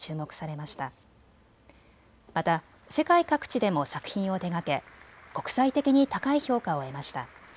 また世界各地でも作品を手がけ国際的に高い評価を得ました。